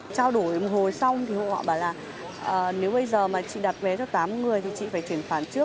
trao đổi một hồi xong thì họ bảo là nếu bây giờ mà chị đặt vé cho tám người thì chị phải chuyển khoản trước